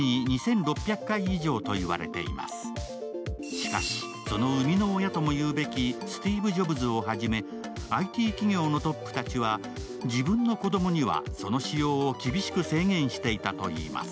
しかし、その生みの親ともいうべきスティーブ・ジョブズを初め、ＩＴ企業のトップ達は自分の子供にはその使用を厳しく制限していたといいます。